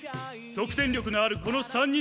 得点力のあるこの３人でいく！